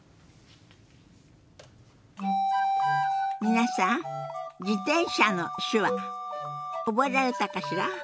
皆さん「自転車」の手話覚えられたかしら？